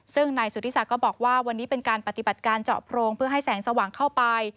ซึ่งนายสุธิศักดิ์ก็บอกว่าวันนี้เป็นการปฏิบัติการเจาะโพรงเพื่อให้แสงสว่างเข้าไป